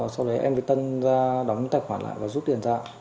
sau đấy em mới tân ra đóng tài khoản lại và rút tiền ra